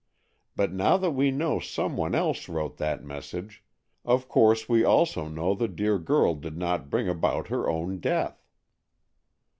But now that we know some one else wrote that message, of course we also know the dear girl did not bring about her own death."